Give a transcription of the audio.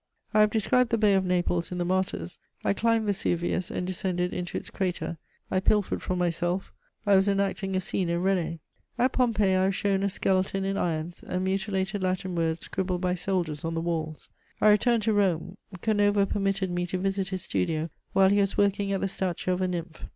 I have described the Bay of Naples in the Martyrs. I climbed Vesuvius and descended into its crater. I pilfered from myself: I was enacting a scene in René. At Pompeii I was shown a skeleton in irons, and mutilated Latin words scribbled by soldiers on the walls. I returned to Rome. Canova permitted me to visit his studio while he was working at the statue of a nymph.